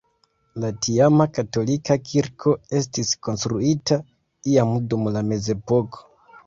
La tiama katolika kirko estis konstruita iam dum la mezepoko.